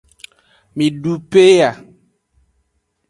Midu peya.